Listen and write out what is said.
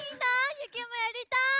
ゆきもやりたい！